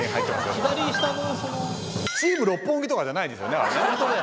チーム六本木とかじゃないですよねあれね。